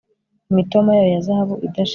imitoma yayo ya zahabu idashira